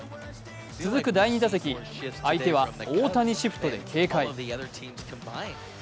続く第２打席、相手は大谷シフトで警戒。